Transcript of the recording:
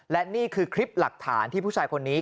และนี่คือคลิปหลักฐานที่ผู้ชายคนนี้